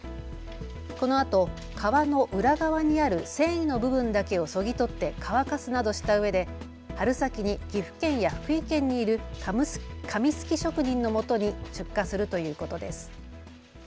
このあと皮の裏側にある繊維の部分だけをそぎ取って乾かすなどしたうえで春先に岐阜県や福井県にいる紙すき職人のもとに出荷するということです。